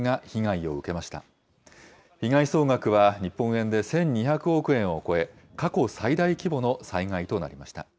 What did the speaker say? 被害総額は日本円で１２００億円を超え、過去最大規模の災害となりました。